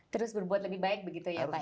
terus berbuat lebih baik begitu ya pak ya